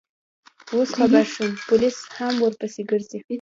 اوس خبر شوم، پولیس هم ورپسې ګرځي.